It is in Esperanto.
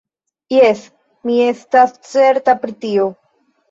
Jes; mi estas certa pri tio.